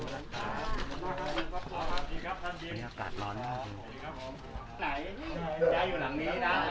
และส่วนของพี่พี่ครับเอ่อพี่พี่บิลเองนะครับได้